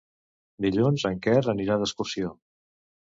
Dilluns en Quer anirà d'excursió.